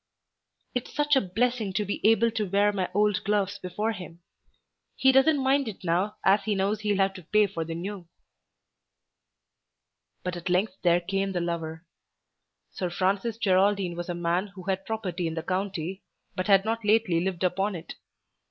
"It's such a blessing to be able to wear my old gloves before him. He doesn't mind it now as he knows he'll have to pay for the new." But at length there came the lover. Sir Francis Geraldine was a man who had property in the county but had not lately lived upon it.